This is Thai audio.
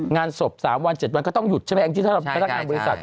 งานสบ๓วัน๗วันก็ต้องหยุดใช่ไหมอังกฤษฐานการณ์บริษัท